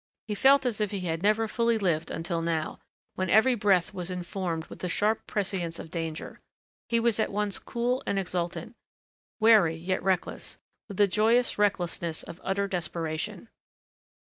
He felt as if he had never fully lived until now, when every breath was informed with the sharp prescience of danger. He was at once cool and exultant, wary yet reckless, with the joyous recklessness of utter desperation.